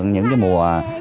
những cái mùa